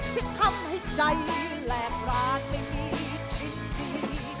ที่ทำให้ใจแรกร้านไม่มีชิ้นดี